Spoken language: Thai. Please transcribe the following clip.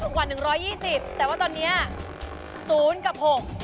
ก็ถูกกว่า๑๒๐บาทแต่ว่าตอนนี้๐กับ๖